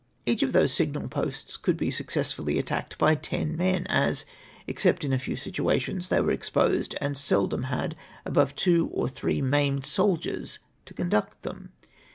Each of those signal posts could he successfully attacked by ten men, as, except in a few situations, they were exposed, and seldom had above two or three maimed soldiers to conduct them.